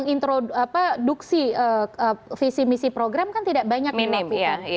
introduksi visi misi program kan tidak banyak yang dilakukan